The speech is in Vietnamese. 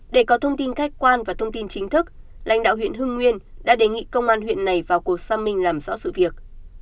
để có thông tin khách quan và thông tin chính thức lãnh đạo huyện hưng nguyên đã đề nghị công an huyện này vào cuộc xác minh làm rõ sự việc